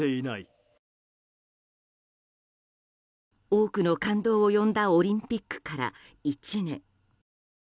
多くの感動を呼んだオリンピックから、１年。